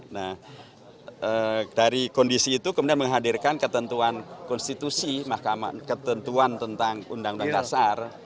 nah dari kondisi itu kemudian menghadirkan ketentuan konstitusi ketentuan tentang undang undang dasar